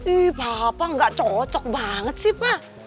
ih papa gak cocok banget sih pa